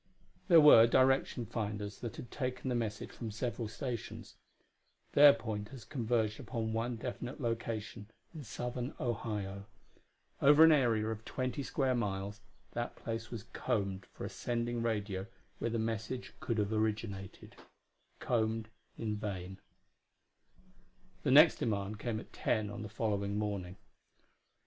There were direction finders that had taken the message from several stations; their pointers converged upon one definite location in southern Ohio. Over an area of twenty square miles, that place was combed for a sending radio where the message could have originated combed in vain. The next demand came at ten on the following morning.